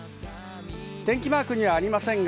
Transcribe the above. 天気マークにはありませんが、